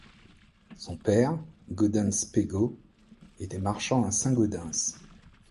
Son père, Gaudens Pégot, était marchand à Saint-Gaudens.